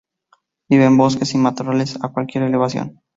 Vive en bosques y matorrales a cualquier elevación.